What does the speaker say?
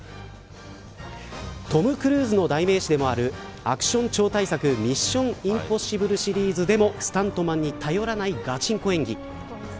トム・クルーズの代名詞でもあるアクション超大作ミッション：インポッシブルシリーズでもスタントマンに頼らないガチンコ演技。